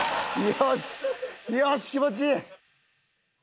よし気持ちいい！